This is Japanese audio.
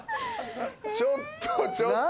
「ちょっとちょっと」